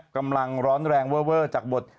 กำลังร้อนแรงเวอร์จากบท